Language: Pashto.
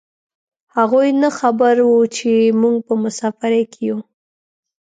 هغوی نه خبر و چې موږ په مسافرۍ کې یو.